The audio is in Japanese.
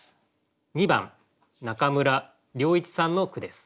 ２番中村良一さんの句です。